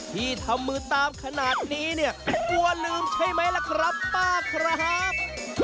ที่ทำมือตามขนาดนี้เนี่ยกลัวลืมใช่ไหมล่ะครับป้าครับ